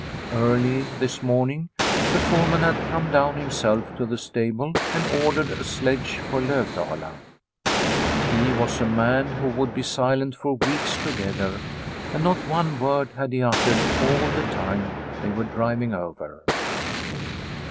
Early this morning the fore man had come down himself to the stable and ordered a sledge for Lovdala, but he was a man who would be silent for weeks together and not one word had he uttered all the time they were driving over.